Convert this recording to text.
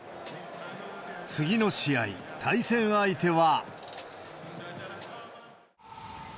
次の試合、対戦相手は。